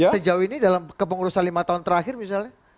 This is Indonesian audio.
sejauh ini dalam kepengurusan lima tahun terakhir misalnya